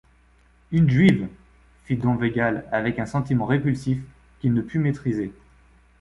Une juive!» fit don Végal avec un sentiment répulsif qu’il ne put maîtriser.